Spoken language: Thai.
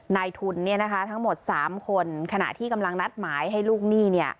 ในทุนเนี่ยนะคะทั้งหมดสามคนขณะที่กำลังนัดหมายให้ลูกหนี้เนี่ย